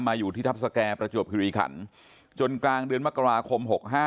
อยู่ที่ทัพสแก่ประจวบคิริขันจนกลางเดือนมกราคม๖๕